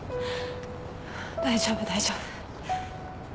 大丈夫大丈夫。